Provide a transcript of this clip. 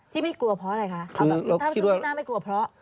ที่ไม่กลัวเพราะอะไรคะถ้าซึ่งหน้าไม่กลัวเพราะ